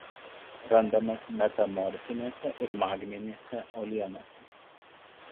Randamas metamorfinėse ir magminėse uolienose.